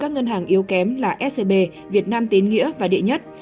ngân hàng yếu kém là scb việt nam tín nghĩa và địa nhất